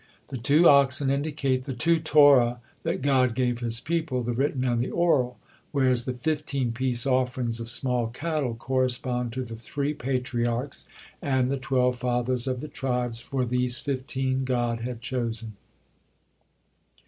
The two oxen indicate the two Torot that God gave His people, the written and the oral, whereas the fifteen peace offerings of small cattle correspond to the three Patriarchs and the twelve fathers of the tribes, for these fifteen God had chosen.